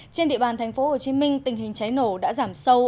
trên địa bàn tp hcm tình hình cháy nổ đã giảm sâu